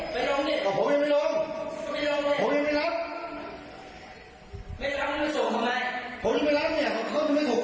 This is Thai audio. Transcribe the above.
มันไม่เกี่ยวเลยอะไรไม่เกี่ยวมันอยู่ที่ผมแล้วกันผมไม่ชอบ